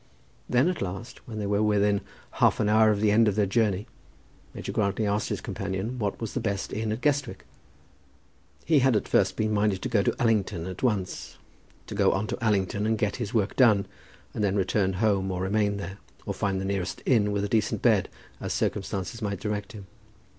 Then, at last, when they were within half an hour of the end of their journey, Major Grantly asked his companion what was the best inn at Guestwick. He had at first been minded to go on to Allington at once, to go on to Allington and get his work done, and then return home or remain there, or find the nearest inn with a decent bed, as circumstances might direct him.